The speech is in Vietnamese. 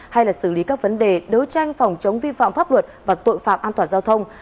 hay là xử lý các vấn đề đấu tranh phòng chống vi phạm pháp luật và tội phạm an toàn giao thông